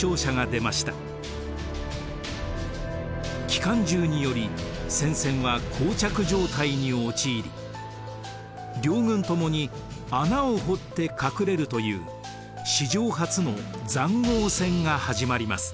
機関銃により戦線はこう着状態に陥り両軍ともに穴を掘って隠れるという史上初の塹壕戦が始まります。